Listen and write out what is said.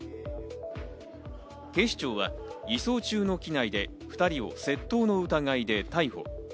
警視庁は移送中の機内で２人を窃盗の疑いで逮捕。